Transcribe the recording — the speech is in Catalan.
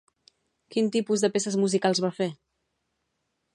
Quin tipus de peces musicals va fer?